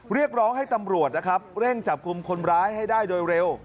เรียกร้องให้ตำรวจนะครับเร่งจับกลุ่มคนร้ายให้ได้โดยเร็ว